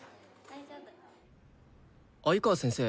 鮎川先生。